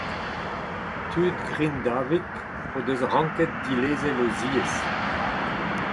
Tud Grindavik o deus ranket dilezel o ziez.